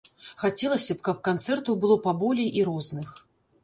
Хацелася б, каб канцэртаў было паболей і розных.